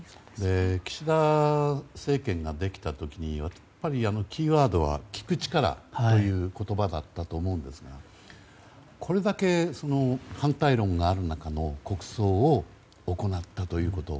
岸田政権ができた時はキーワードは聞く力という言葉だったと思うんですがこれだけ反対論がある中の国葬を行ったということ。